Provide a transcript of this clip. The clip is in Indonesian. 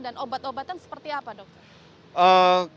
dan obat obatan seperti apa dok